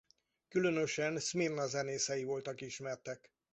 Különösen Szmirna zenészei voltak ismertek.